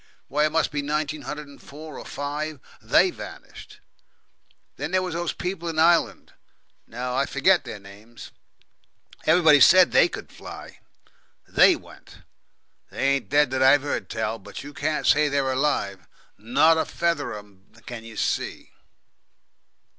Why, it must be nineteen hundred and four, or five, THEY vanished! Then there was those people in Ireland no, I forget their names. Everybody said they could fly. THEY went. They ain't dead that I've heard tell; but you can't say they're alive. Not a feather of 'em can you see.